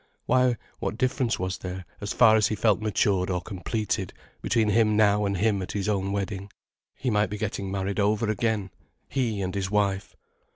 Why, what difference was there, as far as he felt matured or completed, between him now and him at his own wedding? He might be getting married over again—he and his wife.